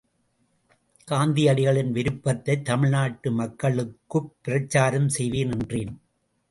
காந்தியடிகளின் விருப்பத்தைத் தமிழ்நாட்டு மக்களுக்குப் பிரசாரம் செய்வேன் என்றேன்.